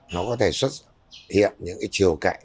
nó có thể xuất hiện những chiều cạnh